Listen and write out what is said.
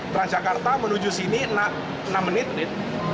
transjakarta menuju sini enam menit